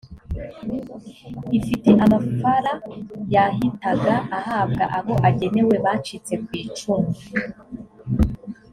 ifite amafara yahitaga ahabwa abo agenewe bacitse ku icumu